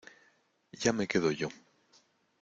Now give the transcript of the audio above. ya me quedo yo.